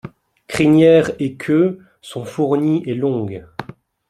Crinière et queue sont fournies et longues.